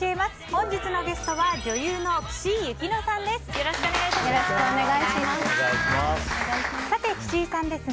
今日のゲストは女優の岸井ゆきのさんです。